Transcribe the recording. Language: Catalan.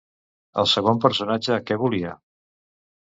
El segon personatge, què volia?